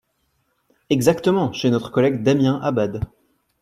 Exactement, chez notre collègue Damien Abad.